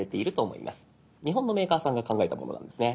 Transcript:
日本のメーカーさんが考えたものなんですね。